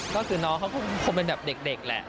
ก็คือน้องเขาก็คงเป็นแบบเด็กแหละ